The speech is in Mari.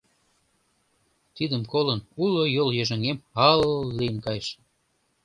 Тидым колын, уло йол йыжыҥем ал-л лийын кайыш.